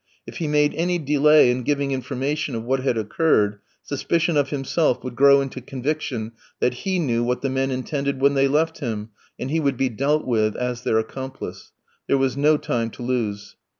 If he made any delay in giving information of what had occurred, suspicion of himself would grow into conviction that he knew what the men intended when they left him, and he would be dealt with as their accomplice. There was no time to lose.